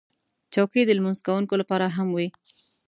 چوکۍ د لمونځ کوونکو لپاره هم وي.